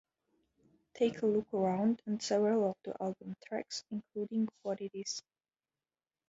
"Take a Look Around" and several of the album tracks, including "What It Is?